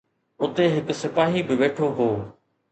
اتي هڪ سپاهي به ويٺو هو